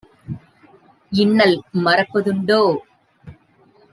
இன்னல் மறப்ப துண்டோ?"